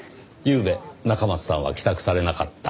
ゆうべ中松さんは帰宅されなかった。